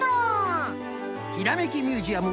「ひらめきミュージアム」